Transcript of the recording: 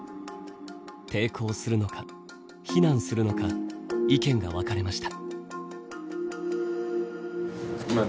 抵抗するのか避難するのか意見が分かれました。